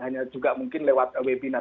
hanya juga mungkin lewat webinar